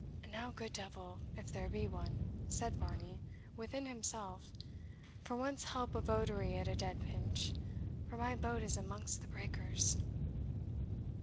"Now, good devil, if there be one," said Varney, within himself, "for once help a votary at a dead pinch, for my boat is amongst the breakers!"